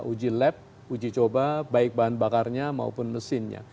uji lab uji coba baik bahan bakarnya maupun mesinnya